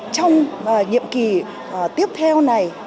trong nhiệm kỳ tiếp theo này